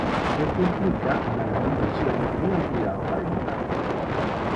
Esto implica una gran inversión en el cuidado parental.